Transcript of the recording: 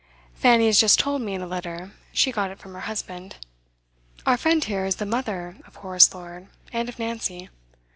'Fanny has just told me in a letter; she got it from her husband. Our friend here is the mother of Horace Lord and of Nancy.